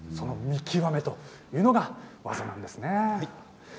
見極めというのが大事なんですね。